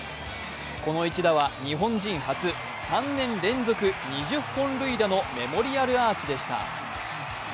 この一打は日本人初、３年連続２０本塁打のメモリアルアーチでした。